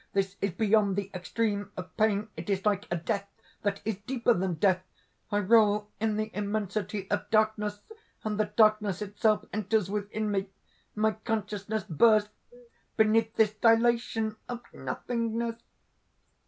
This is beyond the extreme of pain! It is like a death that is deeper than death! I roll in the immensity of darkness; and the darkness itself enters within me. My consciousness bursts beneath this dilation of nothingness!"